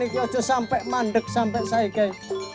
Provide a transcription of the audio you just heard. ikut sampai mandek sampai saekeh